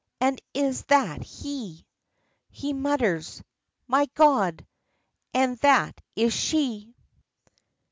and is that he?" He mutters, "My God! and that is she!"